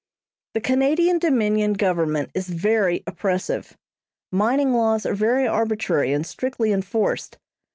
The Canadian Dominion government is very oppressive. Mining laws are very arbitrary and strictly enforced.